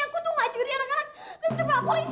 aku tuh nggak juri anak anak mister pak polisi